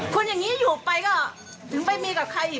คุณอย่างนี้อยู่ไปก็ถึงไปมีกับใครอีก